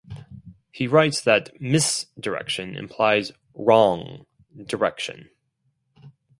He writes that "Mis"direction implies 'wrong' direction.